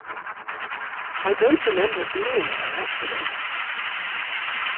I don't remember being in an accident.